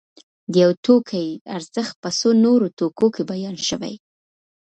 د یو توکي ارزښت په څو نورو توکو کې بیان شوی